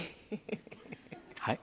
はい？